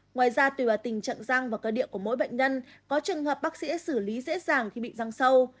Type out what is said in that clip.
ngoài ra tùy vào tình trạng răng và cơ địa của mỗi bệnh nhân có trường hợp bác sĩ xử lý dễ dàng khi bị răng sâu